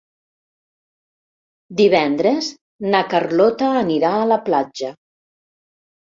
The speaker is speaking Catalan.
Divendres na Carlota anirà a la platja.